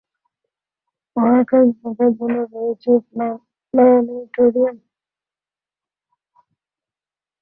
মহাকাশ দেখার জন্য রয়েছে প্লানেটোরিয়াম।